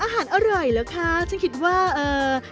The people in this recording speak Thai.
อร่อยเหรอคะฉันคิดว่าเอ่อ